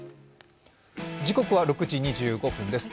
時刻は６時２５分です。